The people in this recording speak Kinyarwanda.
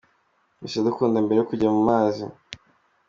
Miss Iradukunda mbere yo kujya mu mazi.